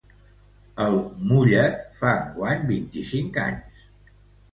El «Mulla’t» fa enguany vint-i-cinc anys.